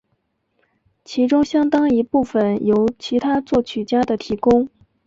其中相当一部分由其他作曲家的提供。